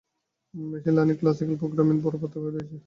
Machine learning classical programming এর বড় পার্থক্য রয়েছে।